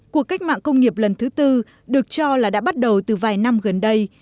cuộc cách mạng công nghiệp lần thứ tư được cho là đã bắt đầu từ vài năm gần đây